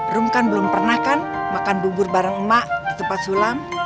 rum kan belum pernah kan makan bubur bareng emak di tempat sulam